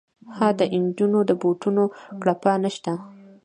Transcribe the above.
ها د نجونو د بوټونو کړپا نه شته